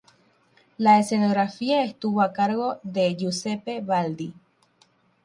La escenografía estuvo a cargo de Giuseppe Baldi.